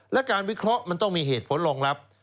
และการวิเคราะห์มันต้องมีเหตุผลรองรับ